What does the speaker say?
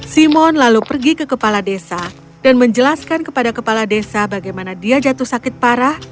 simon lalu pergi ke kepala desa dan menjelaskan kepada kepala desa bagaimana dia jatuh sakit parah